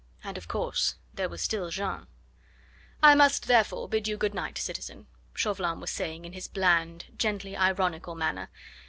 And, of course, there was still Jeanne. "I must, therefore, bid you good night, citizen," Chauvelin was saying in his bland, gently ironical manner.